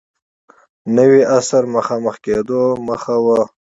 نوي عصر مخامخ کېدو مخه و.